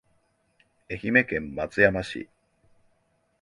愛媛県松山市